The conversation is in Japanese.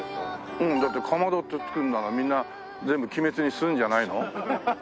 うんだって「かまど」って付くんならみんな全部『鬼滅』にするんじゃないの？